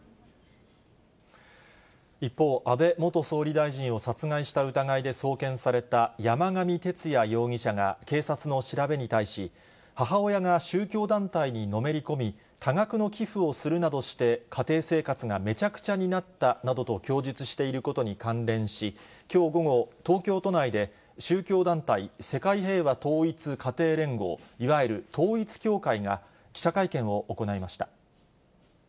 一方、安倍元総理大臣を殺害した疑いで送検された山上徹也容疑者が、警察の調べに対し、母親が宗教団体にのめり込み、多額の寄付をするなどして、家庭生活がめちゃくちゃになったなどと供述していることに関連し、きょう午後、東京都内で、宗教団体、世界平和統一家庭連合、いわゆる統一教会が、記者会見を行いました。